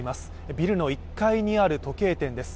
ビルの１階にある時計店です。